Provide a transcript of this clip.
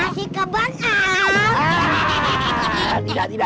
asik ke bang al